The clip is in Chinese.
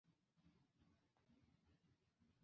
漫画家苏菲准备结婚。